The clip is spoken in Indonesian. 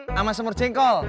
sama sumur jengkol